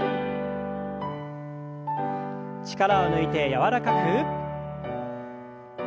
力を抜いて柔らかく。